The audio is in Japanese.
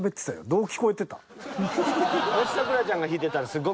どう聞こえてた？